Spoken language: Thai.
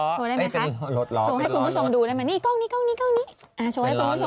โชว์ได้ไหมครับโชว์ให้คุณผู้ชมดูคุณวาดรูปอะไร